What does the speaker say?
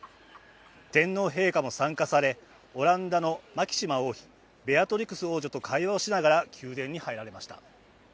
天皇陛下も参加され、オランダのマキシマ王妃、ベアトリクス王女と会談をしながら宮殿に入られました。